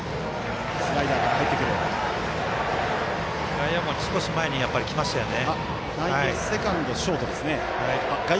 外野も少し前に来ましたね。